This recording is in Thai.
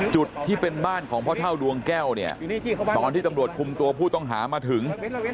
จุดที่เป็นบ้านของพ่อเท่าดวงแก้วเนี่ยตอนที่ตำรวจคุมตัวผู้ต้องหามาถึง